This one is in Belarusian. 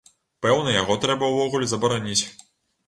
Пэўна, яго трэба ўвогуле забараніць.